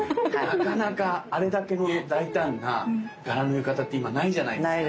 なかなかあれだけの大胆な柄の浴衣って今ないじゃないですか。